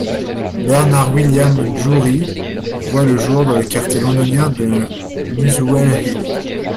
Bernard William Jewry voit le jour dans le quartier londonien de Muswell Hill.